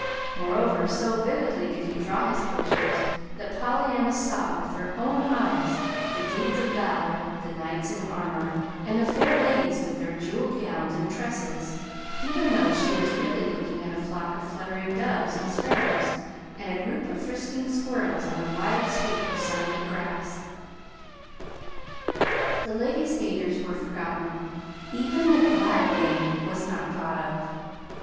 Moreover, so vividly did he draw his pictures that Pollyanna saw with her own eyes the deeds of valor, the knights in armor, and the fair ladies with their jeweled gowns and tresses, even though she was really looking at a flock of fluttering doves and sparrows and a group of frisking squirrels on a wide sweep of sunlit grass. [Illustration: "It was a wonderful hour"] The Ladies' Aiders were forgotten. Even the glad game was not thought of.